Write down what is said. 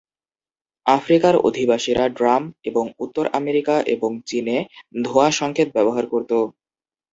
আফ্রিকার অধিবাসীরা ড্রাম এবং উত্তর আমেরিকা এবং চীনে ধোঁয়া সংকেত ব্যবহার করত।